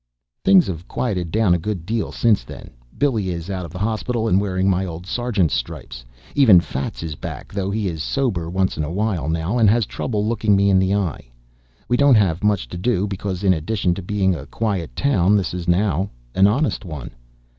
Things have quieted down a good deal since then. Billy is out of the hospital and wearing my old sergeant's stripes. Even Fats is back, though he is sober once in a while now and has trouble looking me in the eye. We don't have much to do because in addition to being a quiet town this is now an honest one.